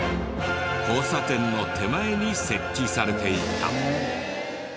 交差点の手前に設置されていた。